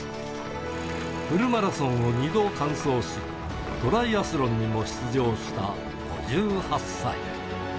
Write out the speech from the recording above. フルマラソンを２度完走し、トライアスロンにも出場した５８歳。